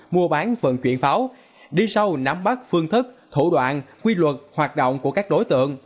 mua bán vận chuyển pháo đi sâu nắm bắt phương thức thủ đoạn quy luật hoạt động của các đối tượng